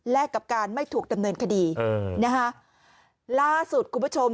กับการไม่ถูกดำเนินคดีเออนะคะล่าสุดคุณผู้ชม